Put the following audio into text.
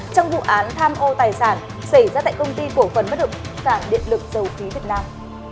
trong vụ án tham ô tài sản xảy ra tại công ty cổ phần bất hợp sản điện lực dầu khí việt nam